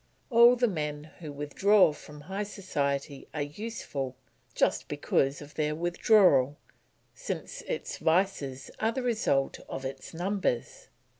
All the men who withdraw from high society are useful just because of their withdrawal, since its vices are the result of its numbers.